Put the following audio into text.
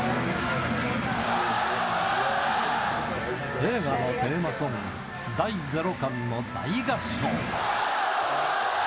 映画のテーマソング、第ゼロ感の大合唱。